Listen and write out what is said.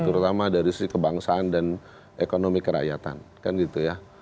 terutama dari sisi kebangsaan dan ekonomi kerakyatan kan gitu ya